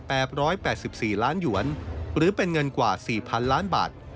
แปบ๑๘๔ล้านหยวนหรือเป็นเงินกว่า๔๐๐๐ล้านบาท